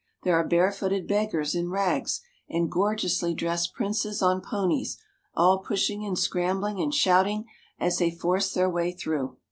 There are barefooted beggars in rags and gorgeously dressed princes on ponies, all pushing and scrambling and shouting as they force their way through.